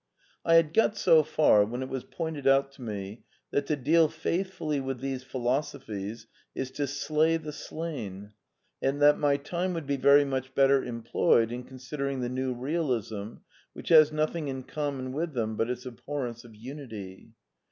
I had got so far when it was pointed out to me that to deal faithfully with those philosophies is to slay the slain, and that my time would be very much better employed in considering the New Eealism, which has nothing in com mon with them but its abhorrence of unity.